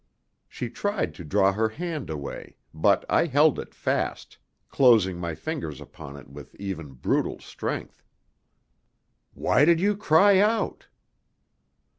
She tried to draw her hand away, but I held it fast, closing, my fingers upon it with even brutal strength. "Why did you cry out?"